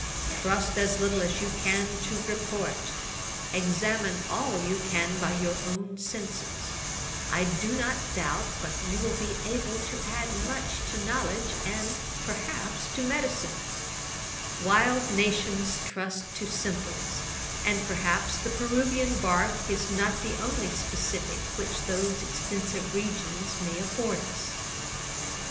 Trust as little as you can to report; examine all you can by your own senses. I do not doubt but you will be able to add much to knowledge, and, perhaps, to medicine. Wild nations trust to simples; and, perhaps, the Peruvian bark is not the only specifick which those extensive regions may afford us. [Page 368: Improper expectations.